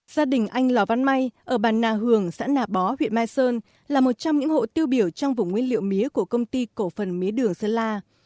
gia đình anh lò văn may ở bàn nà hường xã nà bó huyện mai sơn là một trong những hộ tiêu biểu trong vùng nguyên liệu mía của công ty cổ phần mía đường sơn la